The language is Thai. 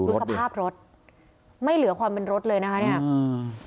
ดูสภาพรถไม่เหลือความเป็นรถเลยนะคะเนี้ยอืม